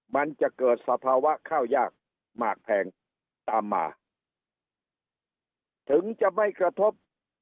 มันจะเกิดสภาวะข้าวยากมากแพงตามมาถึงจะไม่กระทบ